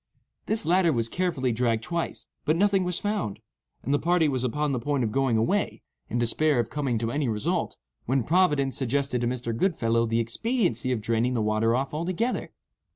This latter was carefully dragged twice, but nothing was found; and the party was upon the point of going away, in despair of coming to any result, when Providence suggested to Mr. Goodfellow the expediency of draining the water off altogether.